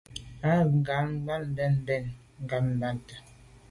A ba nganabte mbèn mbe ngabàgte.